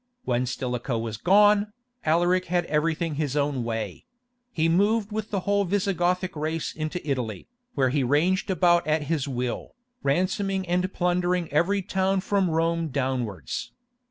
When Stilicho was gone, Alaric had everything his own way; he moved with the whole Visigothic race into Italy, where he ranged about at his will, ransoming and plundering every town from Rome downwards.